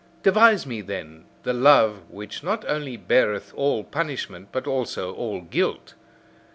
Devise me, then, the love which not only beareth all punishment, but also all guilt!